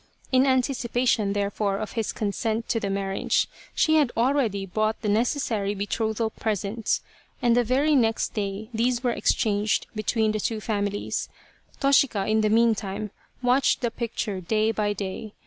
In anticipation, therefore, of his consent to the marriage, she had already bought the necessary be trothal presents, and the very next day these were exchanged between the two families. Toshika, in the meantime, watched the picture day by day.